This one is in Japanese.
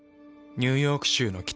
ニューヨーク州の北。